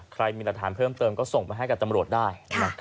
ใครมีหลักฐานเพิ่มเติมก็ส่งมาให้กับตำรวจได้